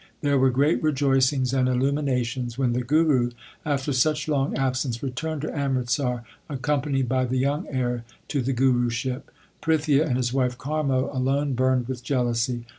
There were great rejoicings and illuminations when the Guru, after such long absence, returned to Amritsar accompanied by the young heir to the Guruship. Prithia and his wife Karmo alone burned with jealousy.